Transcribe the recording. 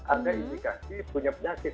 ada indikasi punya penyakit